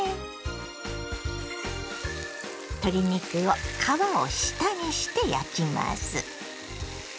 鶏肉を皮を下にして焼きます。